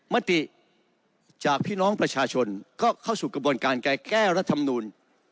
มติจากพี่น้องประชาชนก็เข้าสู่กระบวนการการแก้รัฐมนูล